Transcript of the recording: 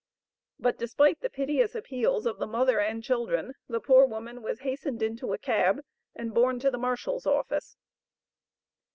But despite the piteous appeals of the mother and children, the poor woman was hastened into a cab, and borne to the marshall's office.